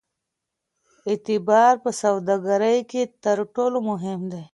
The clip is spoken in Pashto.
اعتبار په سوداګرۍ کې تر ټولو مهم دی.